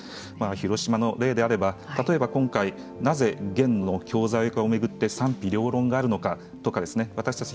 広島の例であれば例えば今回なぜゲンの教材化を巡って賛否両論があるのかとか私たち